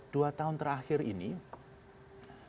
dua tahun terakhir ini presiden indonesia sudah memiliki kelebihan